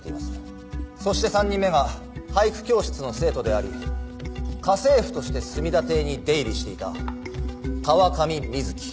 そして３人目が俳句教室の生徒であり家政婦として墨田邸に出入りしていた川上美月。